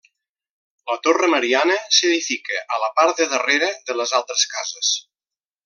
La Torre Mariana s'edifica a la part del darrere de les altres cases.